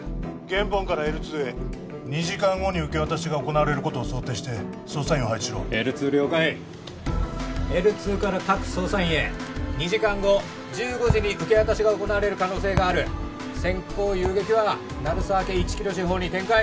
ゲンポンからＬ２へ２時間後に受け渡しが行われることを想定して捜査員を配置しろＬ２了解Ｌ２から各捜査員へ２時間後１５時に受け渡しが行われる可能性があるセンコウユウゲキは鳴沢家１キロ四方に展開